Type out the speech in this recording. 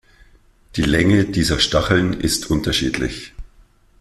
Die Länge dieser Stacheln ist unterschiedlich.